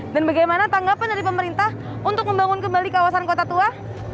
dan bagaimana tanggapan dari pemerintah untuk membangun kembali kawasan kota tua